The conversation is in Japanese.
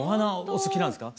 お好きなんですか？